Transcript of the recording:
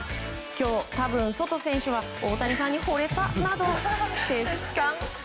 今日、多分ソト選手は大谷さんにほれたなど絶賛。